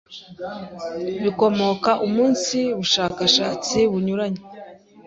bikomoka umunsi bushakashatsi bunyuranye,